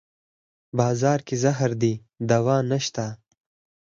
بازار کې زهر دی دوانشته